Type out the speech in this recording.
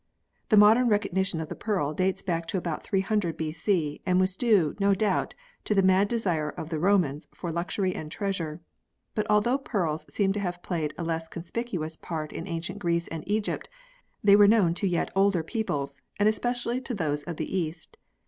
The modern recognition of the pearl dates back to about 300 B.C. and was due, no doubt, to the mad desire of the Romans for luxury and treasure ; but although pearls seem to have played a less conspicuous part in Ancient Greece and Egypt, they were known to yet older peoples, and especially to those of the East.